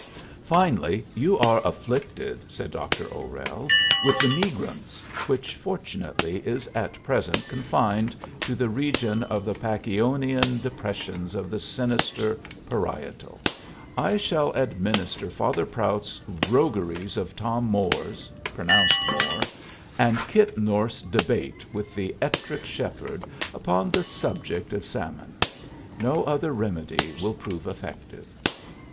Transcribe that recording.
Finally, "You are afflicted," said Dr. O'Rell, "with the megrims, which, fortunately, is at present confined to the region of the Pacchionian depressions of the sinister parietal. I shall administer Father Prout's 'Rogueries of Tom Moore' (pronounced More) and Kit North's debate with the Ettrick Shepherd upon the subject of sawmon. No other remedy will prove effective."